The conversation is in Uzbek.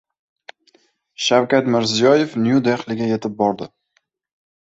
Shavkat Mirziyoyev Nyu-Dehliga yetib bordi